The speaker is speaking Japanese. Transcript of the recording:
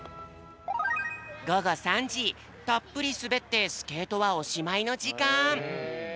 たっぷりすべってスケートはおしまいのじかん。